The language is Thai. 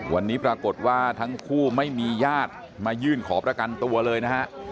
วันนี้ปรากฏว่าทั้งคู่ไม่มีญาติมายื่นขอประกันตัวเลยนะฮะ